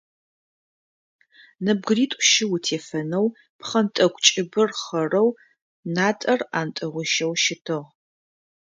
Нэбгыритӏу-щы утефэнэу, пхъэнтӏэкӏу кӏыбыр хъэрэу, натӏэр ӏантэгъуищэу щытыгъ.